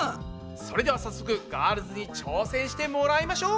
それでは早速ガールズに挑戦してもらいましょう。